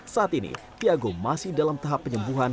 saat ini tiago masih dalam tahap penyembuhan